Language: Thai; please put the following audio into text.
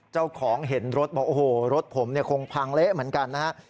เจ้าของเห็นรถบอกโอ้โฮรถผมคงพังเละเหมือนกันนะครับ